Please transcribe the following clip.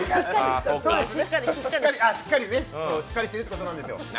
しっかりしてるってことなんですよ。